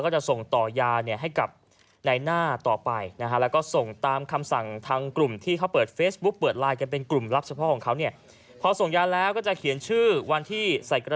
เจ้าหน้าทีก็ระบุว่าเครือขายนี้เป็นกลุ่มที่